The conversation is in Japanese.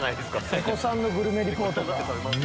瀬古さんのグルメリポート。